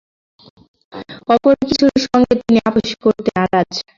অপর কিছুর সঙ্গে তিনি আপস করতে নারাজ।